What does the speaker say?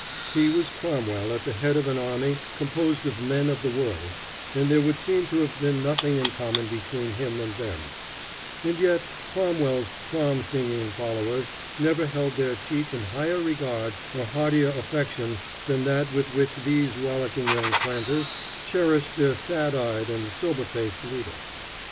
He was Cromwell at the head of an army composed of men of the world, and there would seem to have been nothing in common between him and them; and yet Cromwell's psalm singing followers never held their chief in higher regard or heartier affection than that with which these rollicking young planters cherished their sad eyed and sober faced leader.